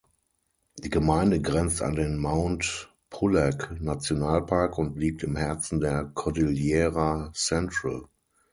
Die Gemeinde grenzt an den Mount-Pulag-Nationalpark und liegt im Herzen der Cordillera Central.